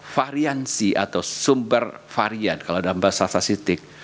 variasi atau sumber varian kalau dalam bahasa sasitik